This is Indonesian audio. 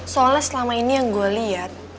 soalnya selama ini yang gue lihat